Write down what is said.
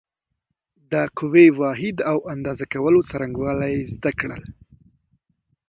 د قوې واحد او اندازه کولو څرنګوالی زده کړل.